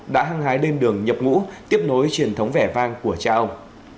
đã hăng hái lên đường nhập ngũ tiếp nối truyền thống vẻ vang của cha ông